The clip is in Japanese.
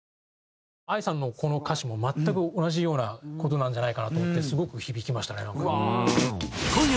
ＡＩさんのこの歌詞も全く同じような事なんじゃないかなと思ってすごく響きましたねなんか。